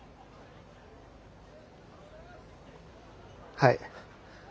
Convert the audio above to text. はい。